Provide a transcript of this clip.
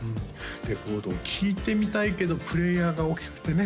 レコードを聴いてみたいけどプレーヤーが大きくてね